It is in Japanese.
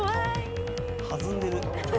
弾んでる。